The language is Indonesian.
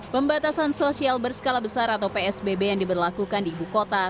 pembatasan sosial berskala besar atau psbb yang diberlakukan di ibu kota